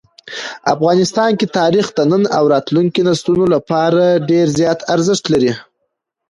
افغانستان کې تاریخ د نن او راتلونکي نسلونو لپاره ډېر زیات ارزښت لري.